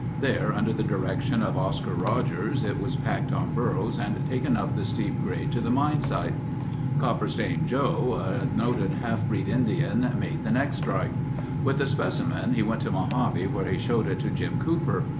There, under the direction of Oscar Rogers, it was packed on burros and taken up the steep grade to the mine site. Copperstain Joe, a noted half breed Indian made the next strike. With a specimen, he went to Mojave where he showed it to Jim Cooper.